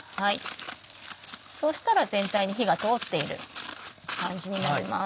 そうしたら全体に火が通っている感じになります。